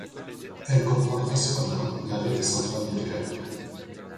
Elle comprend principalement l'arrêt des centrales nucléaires.